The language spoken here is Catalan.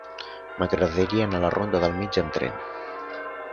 M'agradaria anar a la ronda del Mig amb tren.